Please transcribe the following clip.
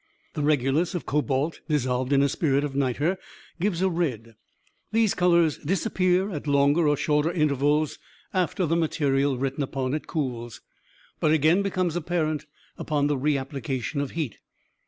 The regulus of cobalt, dissolved in spirit of nitre, gives a red. These colors disappear at longer or shorter intervals after the material written upon cools, but again become apparent upon the reapplication of heat.